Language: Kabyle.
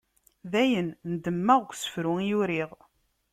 Dayen, ndemmeɣ deg usefru i uriɣ.